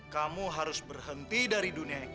kamu harus berhenti dari dunia ini